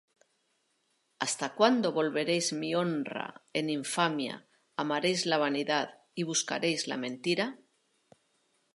¿hasta cuándo volveréis mi honra en infamia, Amaréis la vanidad, y buscaréis la mentira?